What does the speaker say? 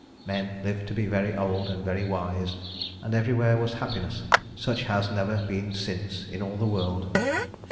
Men lived to be very old and very wise, and everywhere was happiness such as has never been since in all the world.